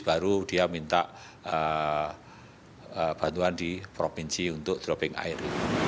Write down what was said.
baru dia minta bantuan di provinsi untuk dropping air